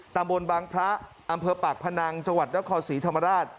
ตำบลบางพระอำเภอปากพนังจังหวัดนครศรีธรรมราช